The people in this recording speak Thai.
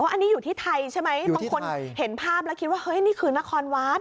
อันนี้อยู่ที่ไทยใช่ไหมบางคนเห็นภาพแล้วคิดว่าเฮ้ยนี่คือนครวัด